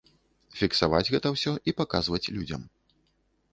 Фіксаваць гэта ўсё і паказваць людзям.